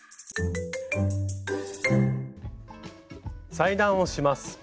裁断をします。